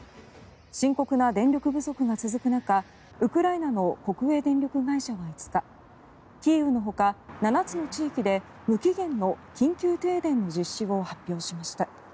深刻な電力不足が続く中ウクライナの国営電力会社が５日キーウの他７つの地域で無期限の緊急停電の実施を発表しました。